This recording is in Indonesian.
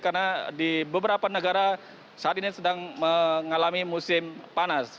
karena di beberapa negara saat ini sedang mengalami musim panas